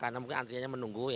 karena mungkin antriannya menunggu